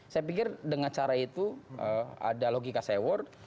saya pikir dengan cara itu ada logika seward